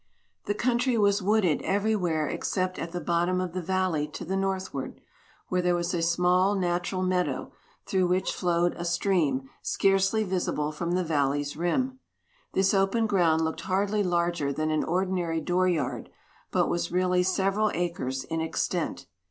The country was wooded everywhere except at the bottom of the valley to the northward, where there was a small natural meadow, through which flowed a stream scarcely visible from the valley's rim. This open ground looked hardly larger than an ordinary dooryard, but was really several acres in extent.